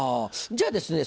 じゃあですね